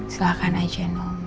silahkan saja nino